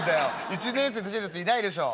１年生でつけてるやついないでしょ」。